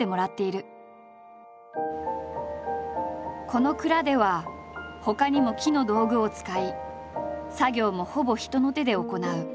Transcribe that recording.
この蔵ではほかにも木の道具を使い作業もほぼ人の手で行う。